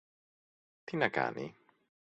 Τι να κάνει;